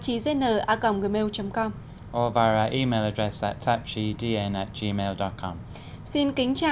xin kính chào và hẹn gặp lại